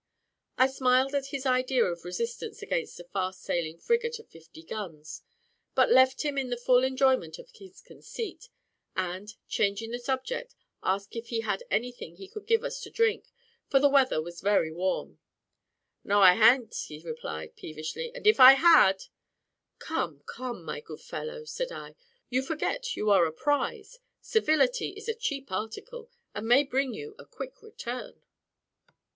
I smiled at his idea of resistance against a fast sailing frigate of fifty guns; but left him in the full enjoyment of his conceit, and changing the subject, asked if he had any thing he could give us to drink, for the weather was very warm. "No, I ha'n't," he replied, peevishly; "and if I had " "Come, come, my good fellow," said I, "you forget you are a prize; civility is a cheap article, and may bring you a quick return."